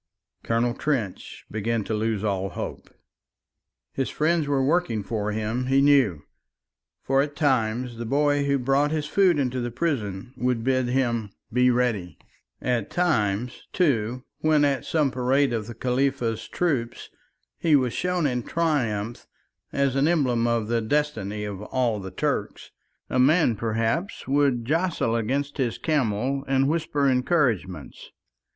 Colonel Trench began to lose all hope. His friends were working for him, he knew. For at times the boy who brought his food into the prison would bid him be ready; at times, too, when at some parade of the Khalifa's troops he was shown in triumph as an emblem of the destiny of all the Turks, a man perhaps would jostle against his camel and whisper encouragements.